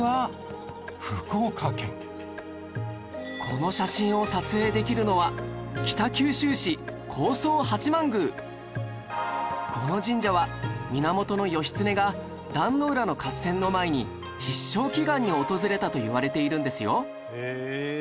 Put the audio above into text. この写真を撮影できるのはこの神社は源義経が壇ノ浦の合戦の前に必勝祈願に訪れたといわれているんですよ